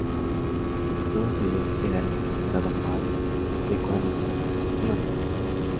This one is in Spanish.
De todos ellos era el magistrado más ecuánime y honrado.